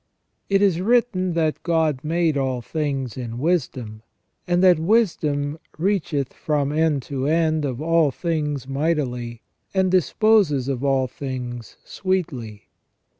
It is written that God made all things in wisdom, and that wisdom " reacheth from end to end of all things mightily, and disposes of all things sweetly